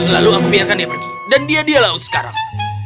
lalu aku biarkan dia pergi dan dia dia laut sekarang